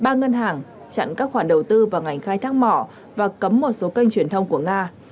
ba ngân hàng chặn các khoản đầu tư vào ngành khai thác mỏ và cấm một số kênh truyền thông của nga